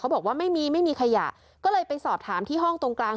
บอกว่าไม่มีไม่มีขยะก็เลยไปสอบถามที่ห้องตรงกลาง